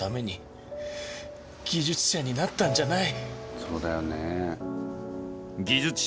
そうだよね。